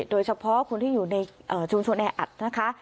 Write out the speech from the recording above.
โดยเฉพาะคนที่อยู่ในชุมชนแออัดนะคะ